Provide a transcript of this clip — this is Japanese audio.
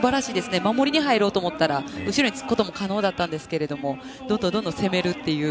守りに入ろうと思ったら後ろにつくことも可能でしたがどんどん攻める